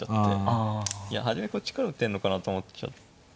いや初めこっちから打てんのかなと思っちゃったんで。